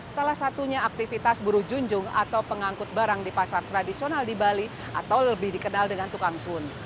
salah satunya aktivitas buruh junjung atau pengangkut barang di pasar tradisional di bali atau lebih dikenal dengan tukang sun